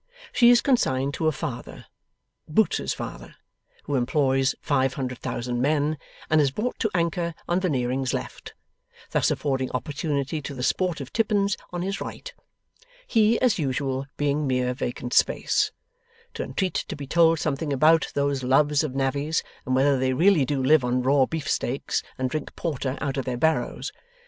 She is consigned to a Father Boots's Father, who employs five hundred thousand men and is brought to anchor on Veneering's left; thus affording opportunity to the sportive Tippins on his right (he, as usual, being mere vacant space), to entreat to be told something about those loves of Navvies, and whether they really do live on raw beefsteaks, and drink porter out of their barrows.